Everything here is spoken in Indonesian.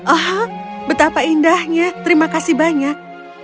oh betapa indahnya terima kasih banyak